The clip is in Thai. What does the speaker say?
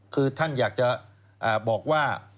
คือท่านอยากจะบอกว่า